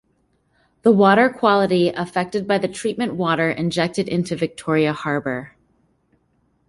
The water quality affected by the treated water injected into Victoria Harbour.